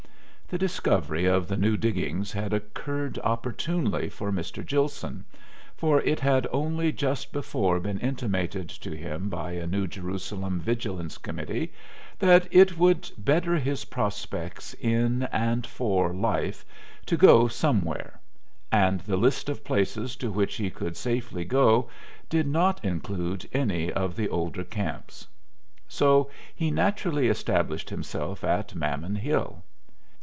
The discovery of the new diggings had occurred opportunely for Mr. Gilson, for it had only just before been intimated to him by a New Jerusalem vigilance committee that it would better his prospects in, and for, life to go somewhere; and the list of places to which he could safely go did not include any of the older camps; so he naturally established himself at Mammon Hill.